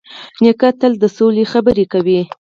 نیکه تل د سولې خبرې کوي.